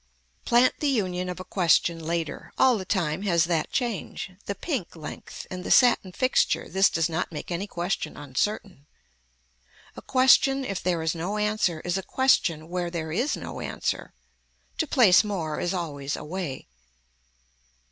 Plant the union of a question later, all the time has that change, the pink length and the satin fixture this does not make any question uncertain. A question if there is no answer is a question where there is no answer. To place more is always a way.